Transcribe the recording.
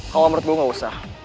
kalau menurut gue gak usah